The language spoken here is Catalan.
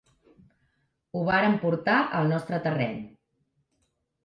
Ho vàrem portar al nostre terreny.